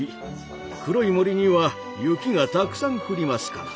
黒い森には雪がたくさん降りますから。